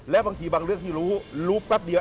และบางทีบางเรื่องที่รู้รู้แป๊บเดียว